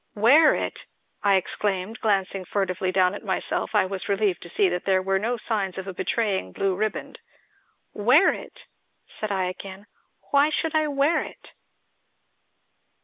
"Wear it!" I exclaimed, and glancing furtively down at myself, I was relieved to see that there were no signs of a betraying blue riband; "wear it!" said I again, "why should I wear it?"